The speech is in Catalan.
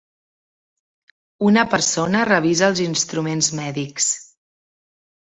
Una persona revisa els instruments mèdics.